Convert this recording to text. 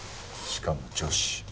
しかも女子。